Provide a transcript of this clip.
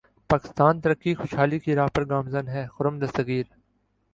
پاکستان ترقی خوشحالی کی راہ پر گامزن ہے خرم دستگیر